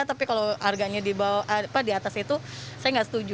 tapi kalau harganya di atas itu saya nggak setuju